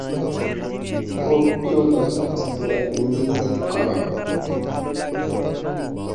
খুব দ্রুত তা স্ত্রীরা পৃথিবী ত্যাগ করেন।